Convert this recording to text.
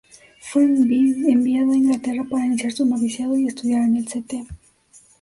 Fue enviada a Inglaterra para iniciar su noviciado y estudiar en el St.